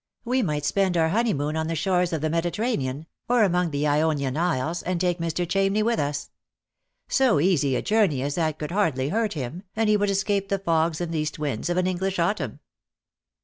We might spend our honeymoon on the shores of the Mediterranean, or among the Ionian Isles, and take Mr. Chamney with us. So easy a journey as that could hardly hurt him, and he would escape the fogs and east winds of an English autumn."